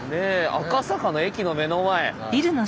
赤坂の駅の目の前。